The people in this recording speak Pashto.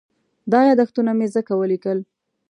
دا یادښتونه مې ځکه وليکل.